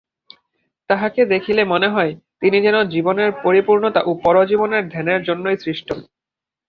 তাঁহাকে দেখিলে মনে হয়, তিনি যেন জীবনের পরিপূর্ণতা এবং পরজীবনের ধ্যানের জন্যই সৃষ্ট।